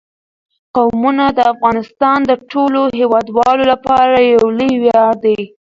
قومونه د افغانستان د ټولو هیوادوالو لپاره یو لوی ویاړ دی.